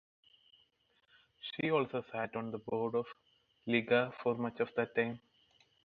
She also sat on the Board of "Liiga" for much of that time.